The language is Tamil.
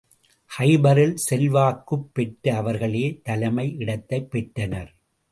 கைபரில் செல்வாக்குப் பெற்ற அவர்களே தலைமை இடத்தைப் பெற்றனர்.